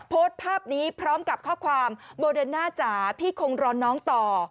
โพสต์ภาพนี้พร้อมกับข้อความโมเดิร์น่าจ๋าพี่คงรอน้องต่อ